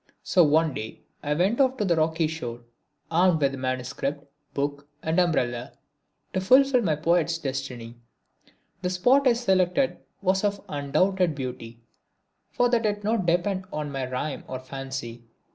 So one day off I went along the rocky shore, armed with MS. book and umbrella, to fulfil my poet's destiny. The spot I selected was of undoubted beauty, for that did not depend on my rhyme or fancy.